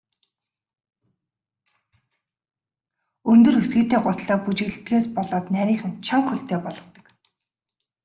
Өндөр өсгийтэй гуталтай бүжиглэдгээс болоод нарийхан, чанга хөлтэй болгодог.